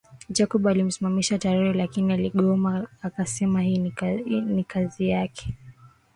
Jacob alimsimamisha Tetere lakii aligoma akasema ni kazi yake